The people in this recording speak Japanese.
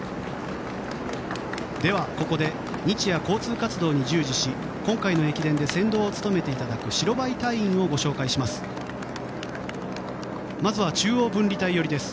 では、ここで日夜、交通活動に従事し今回の駅伝で先導を務めていただく白バイ隊員をご紹介します。